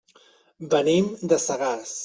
Venim de Sagàs.